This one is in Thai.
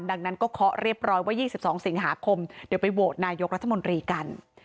ดังนั้นก็เคาะเรียบร้อยว่า๒๒สิงหาคมเดี๋ยวไปโหวตนายกรัฐมนตรีกัน